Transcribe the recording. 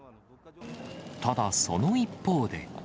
ただ、その一方で。